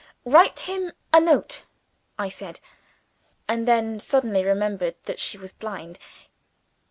"Write him a note," I said and then suddenly remembered that she was blind.